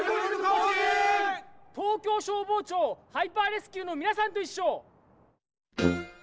東京消防庁ハイパーレスキューのみなさんといっしょ。